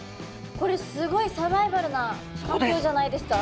これすごいサバイバルな環境じゃないですか。